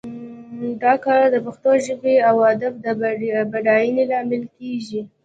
دا کار د پښتو ژبې او ادب د بډاینې لامل کیږي